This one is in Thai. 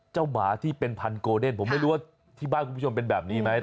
หมาที่เป็นพันโกเดนผมไม่รู้ว่าที่บ้านคุณผู้ชมเป็นแบบนี้ไหม